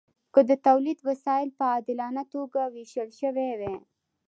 که د تولید وسایل په عادلانه توګه ویشل شوي وای.